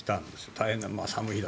大変な寒い日で。